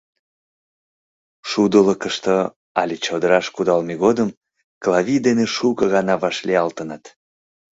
Шудылыкышто але чодыраш кудалме годым Клави дене шуко гана вашлиялтыныт.